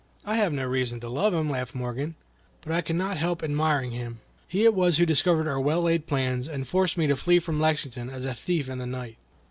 "I have no reason to love him," laughed Morgan, "but I cannot help admiring him. He it was who discovered our well laid plans, and forced me to flee from Lexington, as a thief in the night."